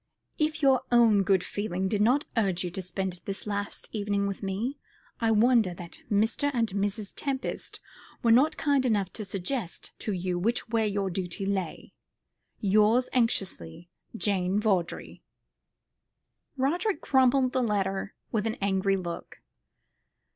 If your own good feeling did not urge you to spend this last evening with me, I wonder that Mr. and Mrs. Tempest were not kind enough to suggest to you which way your duty lay. Yours anxiously, "JANE VAWDREY." Roderick crumpled the letter with an angry look.